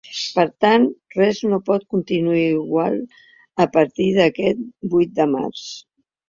Per tant, res no pot continuar igual a partir d’aquest vuit de març.